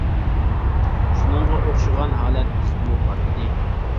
شۇنىڭغا ئوخشىغان ھالەت بىزدىمۇ بار ئىدى.